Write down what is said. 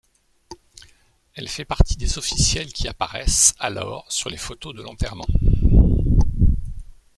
Elle fait partie des officiels qui apparaissent alors sur les photos de l’enterrement.